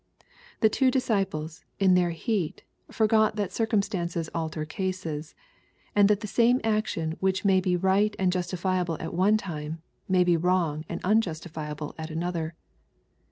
The two disciples, in their heat, forgot that circumstances alter cases, and that the same action which may be right and justifiable at one time, may be wrong and unjustifiable at another.